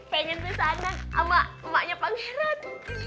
pengen kesana sama emaknya pangeran